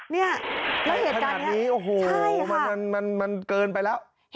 เนี่ยแล้วเหตุการณ์นี้ใช่ค่ะมันเกินไปแล้วขนาดนี้โอ้โห